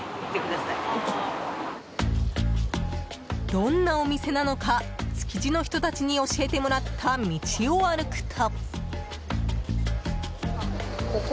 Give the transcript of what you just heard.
どんなお店なのか築地の人たちに教えてもらった道を歩くと。